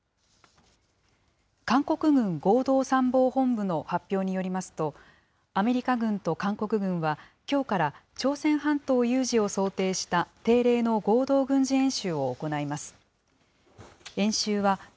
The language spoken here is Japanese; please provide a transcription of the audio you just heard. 韓国軍合同参謀本部の発表によりますと、アメリカ軍と韓国軍はきょうから朝鮮半島有事を想定した定例の合同軍事演習を行います。